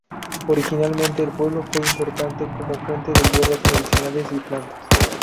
Originalmente, el pueblo fue importante como fuente de hierbas medicinales y plantas.